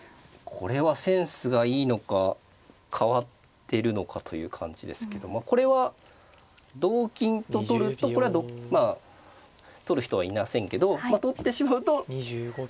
これはセンスがいいのか変わってるのかという感じですけどこれは同金と取るとまあ取る人はいませんけど取ってしまうと。